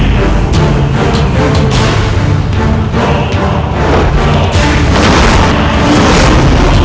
dan aku tahu ciri khas